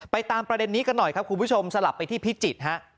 ตามประเด็นนี้กันหน่อยครับคุณผู้ชมสลับไปที่พิจิตรฮะ